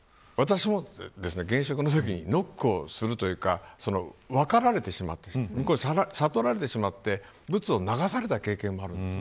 私も現職のときにノックをするというか分かられてしまって悟られてしまってブツを流された経験もあるんです。